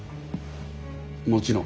もちろん。